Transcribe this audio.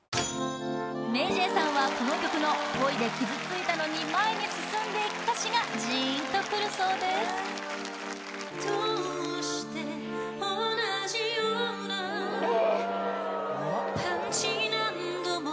ＭａｙＪ．さんはこの曲の恋で傷ついたのに前に進んでいく歌詞がジーンとくるそうです・え・うまっ！